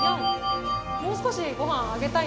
もう少しごはんあげたい。